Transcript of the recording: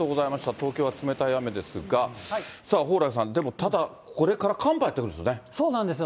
東京は冷たい雨ですが、蓬莱さん、でもただ、これから寒波やって来るんですよね。